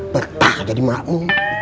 pertah jadi makmu